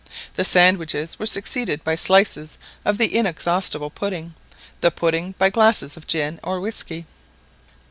The sandwiches were succeeded by slices of the inexhaustible pudding, the pudding by glasses of gin or whisky.